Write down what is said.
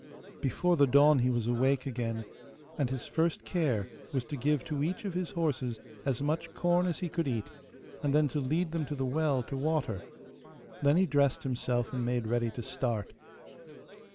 Before the dawn he was awake again, and his first care was to give to each of his horses as much corn as he could eat, and then to lead them to the well to water. Then he dressed himself and made ready to start.